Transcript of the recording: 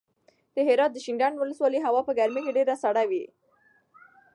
د هرات د شینډنډ ولسوالۍ هوا په ژمي کې ډېره سړه وي.